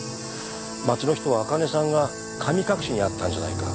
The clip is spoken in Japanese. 町の人はあかねさんが神隠しに遭ったんじゃないか。